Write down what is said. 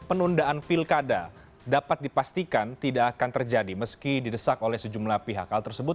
penundaan pilkada dapat dipastikan tidak akan terjadi meski didesak oleh sejumlah pihak hal tersebut